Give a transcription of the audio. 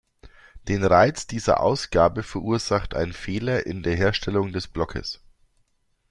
Den Reiz dieser Ausgabe verursacht ein Fehler in der Herstellung des Blockes.